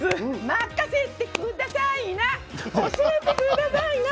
任せてくださいな！